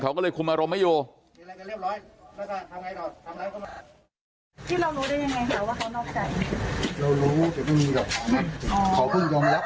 เขาก็เลยคุมอารมณ์ไม่อยู่